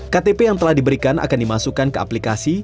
ktp yang telah diberikan akan dimasukkan ke aplikasi